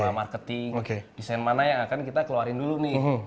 marketing desain mana yang akan kita keluarin dulu nih